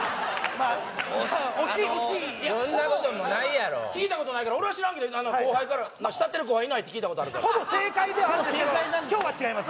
まあ惜しいそんなこともないやろ聞いたことないから俺は知らんけど後輩から慕ってる後輩いないって聞いたことあるからほぼ正解ではあるんですけど今日は違います